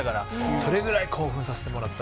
それぐらい興奮させてもらって。